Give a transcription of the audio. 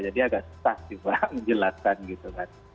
jadi agak susah juga menjelaskan gitu kan